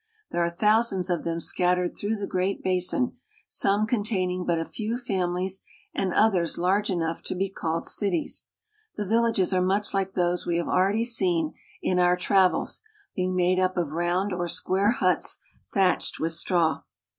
There are thousands of them scattered through the great basin, some containing but a few fami lies and others large enough to be called cities. The vil lages are much like those we have already seen in our travels, being made up of round or square huts thatched with straw.